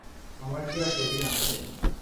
আমার কি আর সেদিন আছে।